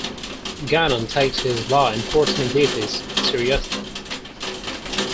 Gannon takes his law enforcement duties seriously.